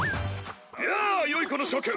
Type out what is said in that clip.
やあ良い子の諸君！